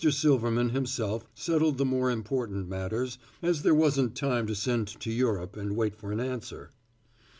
Silverman himself settled the more important matters, inasmuch as there wasn't time to send to Europe and wait for an answer.